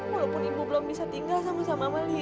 walaupun ibu belum bisa tinggal sama sama sama lia